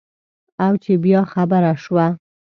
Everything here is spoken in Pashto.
او چې بیا خبره شوه.